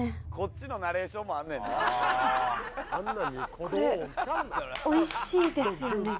これおいしいですよね？